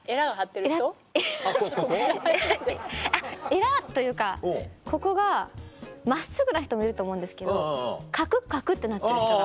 エラというかここが真っすぐな人もいると思うんですけどカクカクってなってる人が。